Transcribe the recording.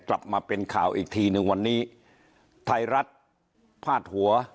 กลับมาเป็นข่าวอีกทีหนึ่งวันนี้ไทยรัฐพาดหัว